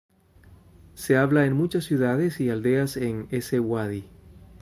Se habla en muchas ciudades y aldeas en ese Uadi.